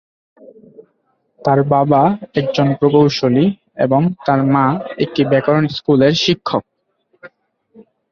তার বাবা একজন প্রকৌশলী এবং তার মা একটি ব্যাকরণ স্কুলের শিক্ষক।